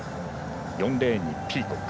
４レーンにピーコック。